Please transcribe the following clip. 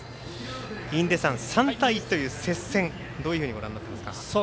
印出さん、３対１という接戦どういうふうにご覧になってますか？